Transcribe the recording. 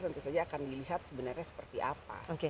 tentu saja akan dilihat sebenarnya seperti apa